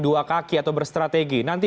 dua kaki atau berstrategi nanti